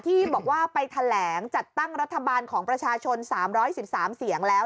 ที่บอกว่าไปแถลงจัดตั้งรัฐบาลของประชาชน๓๑๓เสียงแล้ว